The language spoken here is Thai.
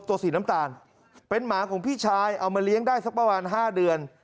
สีน้ำตาลเป็นหมาของพี่ชายเอามาเลี้ยงได้สักประมาณ๕เดือน